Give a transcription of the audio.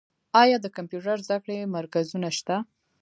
آیا د کمپیوټر زده کړې مرکزونه شته؟